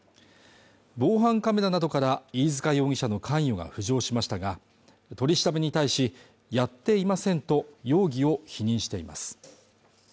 防犯カメラなどから飯塚容疑者の関与が浮上しましたが取り調べに対しやっていませんと容疑を否認しています